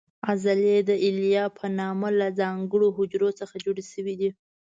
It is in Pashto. عضلې د الیاف په نامه له ځانګړو حجرو څخه جوړې شوې دي.